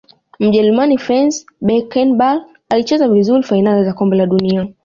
mjerumani franz beckenbauer alicheza vizuri fainali za kombe la dunia